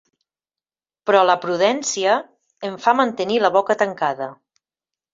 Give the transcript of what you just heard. Però la prudència em fa mantenir la boca tancada.